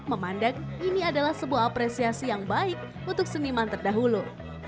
memandang ini adalah sebuah apresiasi yang baik untuk seniman terdahulu